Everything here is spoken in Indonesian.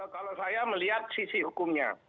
kalau saya melihat sisi hukumnya